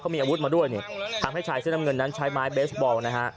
มีอาวุธมาด้วยนี่ทำให้ชายเสื้อน้ำเงินนั้นใช้ไม้เบสบอลนะฮะ